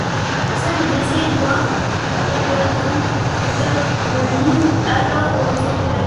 Seul et blessé, Edward évanoui, Roberts le livre alors aux Anglais.